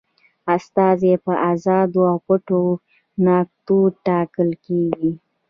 استازي په آزادو او پټو ټاکنو ټاکل کیږي.